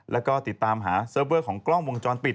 แล้วก็ติดตามหาเซิร์ฟเวอร์ของกล้องวงจรปิด